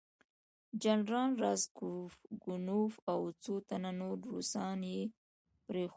جنرال راسګونوف او څو تنه نور روسان یې پرېښودل.